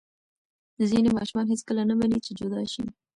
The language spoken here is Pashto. ځینې ماشومان هېڅکله نه مني چې جدا شي.